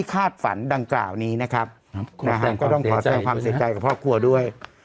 คาดฝันดังกล่าวนี้นะครับนะฮะก็ต้องขอแสดงความเสียใจกับครอบครัวด้วย